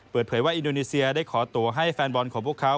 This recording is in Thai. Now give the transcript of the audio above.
เปิดเผยว่าอินโดนีเซียได้ขอตัวให้แฟนบอลของพวกเขา